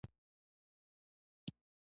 دولت قانون جوړول او پلي کول کوي.